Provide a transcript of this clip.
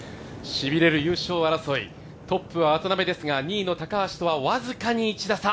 しびれる優勝争い、トップは渡邉ですが２位の高橋とは僅かに１打差。